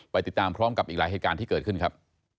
ติดตามพร้อมกับอีกหลายเหตุการณ์ที่เกิดขึ้นครับ